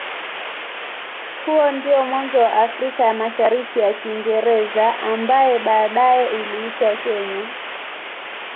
Huo ndio mwanzo wa Afrika ya Mashariki ya Kiingereza ambaye baadaye iliitwa Kenya.